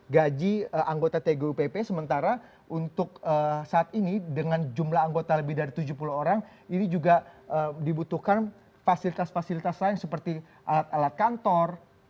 gaji anggota tgupp sementara untuk saat ini dengan jumlah anggota lebih dari tujuh puluh orang ini juga dibutuhkan fasilitas fasilitas lain seperti alat alat kantor